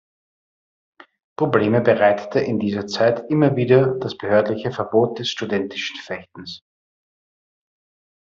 Probleme bereitete in dieser Zeit immer wieder das behördliche Verbot des studentischen Fechtens.